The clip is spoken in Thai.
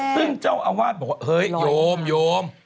ซึ่งเจ้าอาวาสบอกว่าเฮ้ยโยมโยม